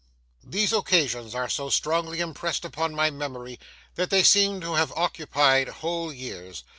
These occasions are so strongly impressed upon my memory, that they seem to have occupied whole years.